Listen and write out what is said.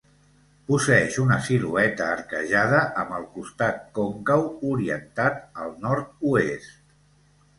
Posseeix una silueta arquejada, amb el costat còncau orientat al nord-oest.